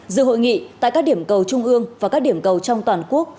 dự hội nghị tại các điểm cầu trung ương và các điểm cầu trong toàn quốc